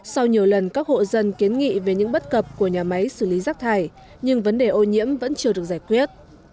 sau nhiều lần các hộ dân kiến nghị về những bất cập của nhà máy xử lý rác thải nhưng vấn đề ô nhiễm vẫn chưa được giải quyết